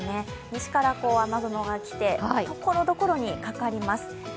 西から雨雲が来て、ところどころにかかります。